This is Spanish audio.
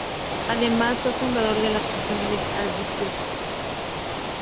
Además, fue fundador de la Asociación de Árbitros.